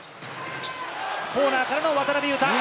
コーナーからの渡邊雄太。